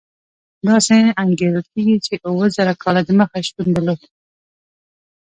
داسې انګېرل کېږي چې اوه زره کاله دمخه شتون درلود.